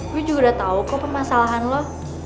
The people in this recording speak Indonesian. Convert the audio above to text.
gue juga udah tau kok pemasalahan lo